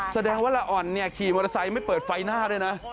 แสดงว่าละอ่อนเนี่ยขี่มอเตอร์ไซค์ไม่เปิดไฟหน้าด้วยนะ